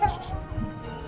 bapak sudah selesai kak